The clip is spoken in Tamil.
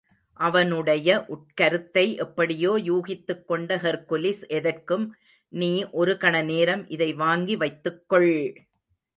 அவனுடைய உட்கருத்தை எப்படியோ யூகித்துக்கொண்ட ஹெர்க்குலிஸ் எதற்கும் நீ ஒரு கண நேரம் இதை வாங்கி வைத்துக் கொள்!